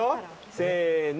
せの！